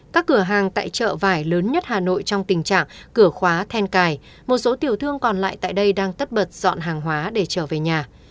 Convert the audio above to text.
các cửa hàng tại chợ vải lớn nhất hà nội trong tình trạng cửa khóa then cài một số tiểu thương còn lại tại đây đang tất bật dọn hàng hóa để trở về nhà